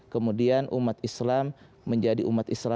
kemudian umat islam menjadi umat islam